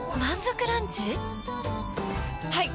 はい！